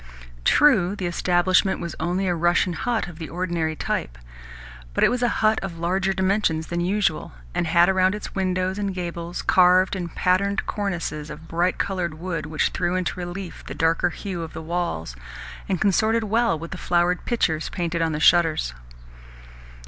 True, the establishment was only a Russian hut of the ordinary type, but it was a hut of larger dimensions than usual, and had around its windows and gables carved and patterned cornices of bright coloured wood which threw into relief the darker hue of the walls, and consorted well with the flowered pitchers painted on the shutters.